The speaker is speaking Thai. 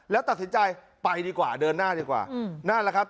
แล้วตัดสินใจไปดีกว่าเดินหน้าดีกว่านั่นแหละครับ